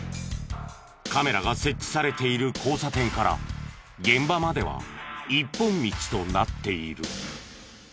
カメラが設置されている交差点から現場までは一本道となっている。